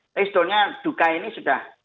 tapi sebetulnya duka ini sudah